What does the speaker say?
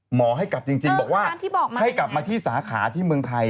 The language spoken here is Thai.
หมอให้กลับจริงบอกว่าให้กลับมาที่สาขาที่เมืองไทย